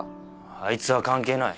あいつは関係ない。